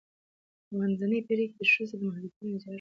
منځنۍ پیړۍ کې ښځو ته محدودیتونه زیات شول.